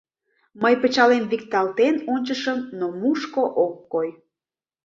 Мый пычалем викталтен ончышым, но мушко ок кой.